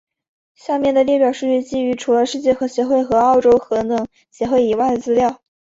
下面的列表数据基于除了世界核协会和欧洲核能协会以外的资料。